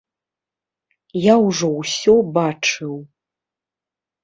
Я ўжо ўсё бачыў.